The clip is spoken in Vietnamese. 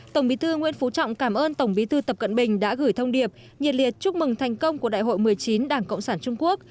tổng bí thư nguyễn phú trọng cảm ơn tổng bí thư tập cận bình đã gửi thông điệp nhiệt liệt chúc mừng thành công của đại hội một mươi chín đảng cộng sản trung quốc